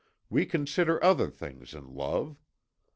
We consider other things in love.